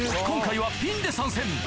今回はピンで参戦